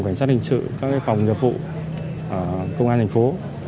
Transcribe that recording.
phòng giảm phụ công an thành phố